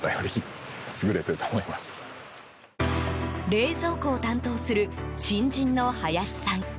冷蔵庫を担当する新人の林さん。